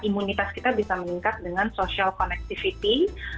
imunitas kita bisa meningkat dengan social connectivity